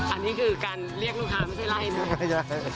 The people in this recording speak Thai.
อันนี้คือการเรียกลูกค้าไม่ใช่ไล่นะ